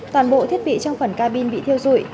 toàn bộ thiết bị trong phần ca bin bị thiêu dụi